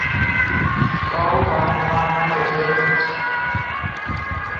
Rouva aina vaan panee leikiksi.